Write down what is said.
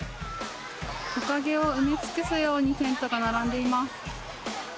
木陰を埋め尽くすようにテントが並んでいます。